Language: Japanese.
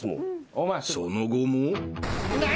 ［その後も］何？